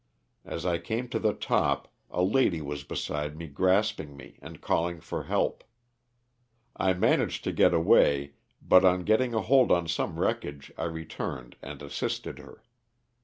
As I came to the top a lady was beside me grasping me and calling for help. I managed to get away but on getting a hold on some wreckage I returned and assisted her.